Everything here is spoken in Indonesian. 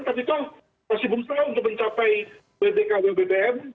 tapi itu masih belum selesai untuk mencapai wbk wbbm